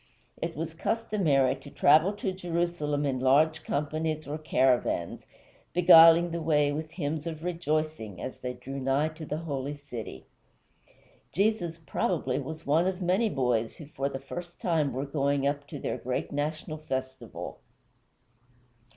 It was customary to travel to Jerusalem in large companies or caravans, beguiling the way with hymns of rejoicing as they drew nigh to the holy city. Jesus, probably, was one of many boys who for the first time were going up to their great national festival.